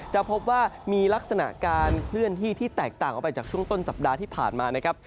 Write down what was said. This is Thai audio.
จะพบว่ามีลักษณะการเคลื่อนที่ที่แตกต่างออกไปจากช่วงต้นสัปดาห์ที่ผ่านมานะครับ